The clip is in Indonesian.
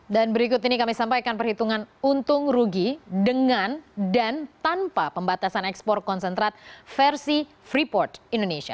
dan berikut ini kami sampaikan perhitungan untung rugi dengan dan tanpa pembatasan ekspor konsentrat versi freeport indonesia